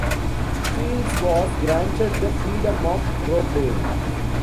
Fields was granted the Freedom of Rochdale.